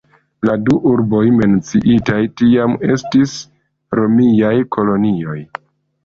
La du urboj menciitaj tiam estis romiaj kolonioj.